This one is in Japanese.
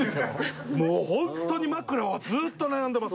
もうホントに枕はずーっと悩んでます。